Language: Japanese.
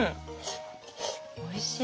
おいしい。